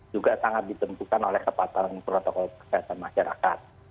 juga sangat ditentukan oleh kepatuhan protokol kesehatan masyarakat